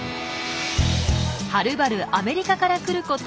はるばるアメリカから来ること